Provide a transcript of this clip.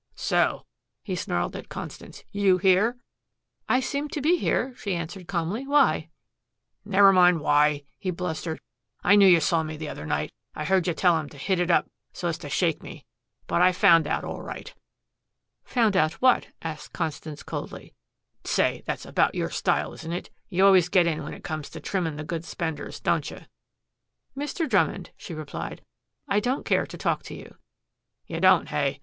"So," he snarled at Constance. "You here?" "I seem to be here," she answered calmly. "Why?" "Never mind why," he blustered. "I knew you saw me the other night. I heard you tell 'em to hit it up so as to shake me. But I found out all right." "Found out what?" asked Constance coldly. "Say, that's about your style, isn't it? You always get in when it comes to trimming the good spenders, don't you?" "Mr. Drummond," she replied, "I don't care to talk to you." "You don't, hey?